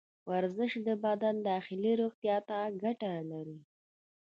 ورزش د بدن داخلي روغتیا ته ګټه لري.